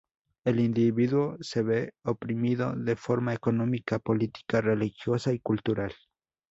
El individuo se ve oprimido de forma económica, política, religiosa, y cultural.